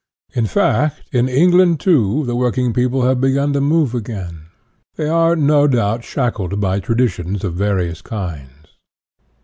In fact, in England, too, the working people have begun to move again. They are, no doubt, shackled by traditions of various kinds.